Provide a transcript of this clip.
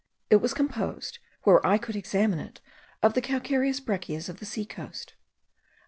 It was composed, where I could examine it, of the calcareous breccias of the sea coast.